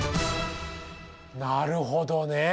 なるほどね。